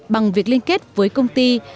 bằng việc liên kết với công ty xã cũng tăng cao hơn